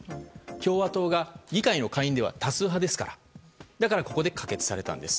共和党が議会の下院では多数派ですからここで可決されたんです。